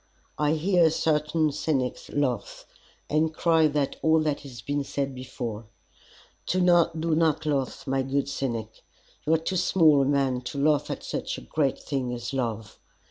I hear certain cynics laugh, and cry that all that has been said before. Do not laugh, my good cynic. You are too small a man to laugh at such a great thing as love.